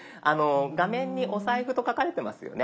画面にお財布と書かれてますよね？